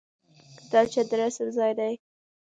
کتابچه د رسم ځای دی